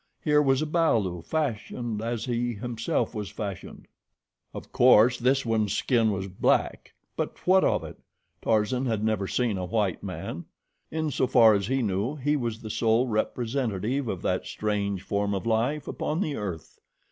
Here was a balu fashioned as he himself was fashioned. Of course this one's skin was black; but what of it? Tarzan had never seen a white man. In so far as he knew, he was the sole representative of that strange form of life upon the earth.